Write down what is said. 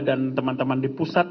dan teman teman di pusat